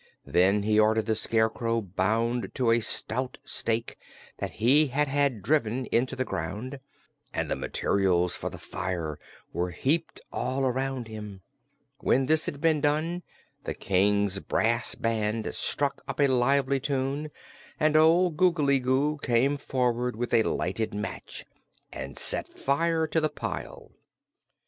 Then he ordered the Scarecrow bound to a stout stake that he had had driven into the ground, and the materials for the fire were heaped all around him. When this had been done, the King's brass band struck up a lively tune and old Googly Goo came forward with a lighted match and set fire to the pile.